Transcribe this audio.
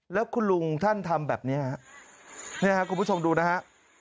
แล้วคุณลุงท่านทำแบบนี้ฮะเนี่ยครับคุณผู้ชมดูนะฮะ